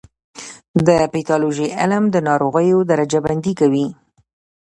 د پیتالوژي علم د ناروغیو درجه بندي کوي.